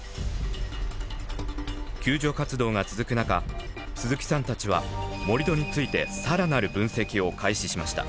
救助活動が続く中鈴木さんたちは盛り土について更なる分析を開始しました。